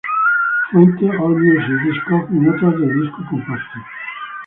Fuentes: Allmusic, Discogs y notas del disco compacto.